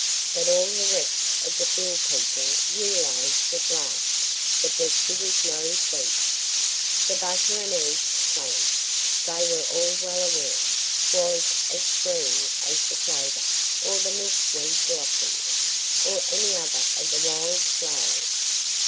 But all the rest of the field people realized at last that Betsy was no thief. The butter and eggs plant, they were well aware, was as free as the clover, or the milk weed blossoms, or any other of the wild flowers.